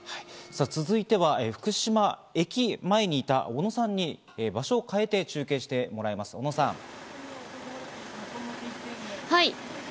続いては福島駅前にいた小野さんに場所を変えて中継してもらいます、小野さん。